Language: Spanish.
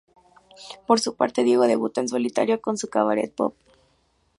Por su parte, Diego debuta en solitario con su Cabaret Pop.